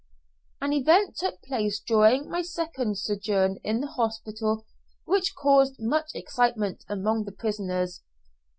An event took place during my second sojourn in the hospital which caused much excitement among the prisoners.